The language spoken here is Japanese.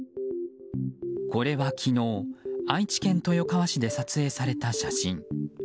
これは昨日愛知県豊川市で撮影された写真。